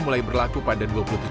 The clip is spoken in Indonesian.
mulai berlaku pada noyong